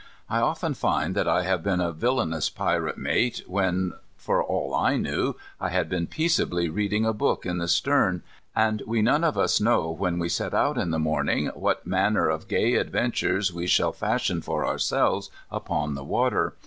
I often find that I have been a villainous pirate mate, when, for all I knew, I had been peaceably reading a book in the stern, and we none of us know when we set out in the morning what manner of gay adventures we shall fashion for ourselves upon the water.